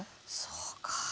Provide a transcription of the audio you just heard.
そうか。